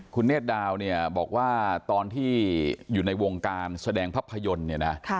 คุณเนทดาวบอกว่าตอนที่อยู่ในวงการแสดงภาพยนตร์